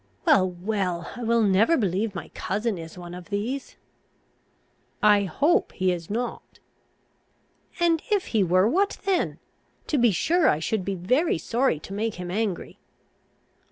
"Well, well, I will never believe my cousin is one of these." "I hope he is not." "And if he were, what then? To be sure I should he very sorry to make him angry."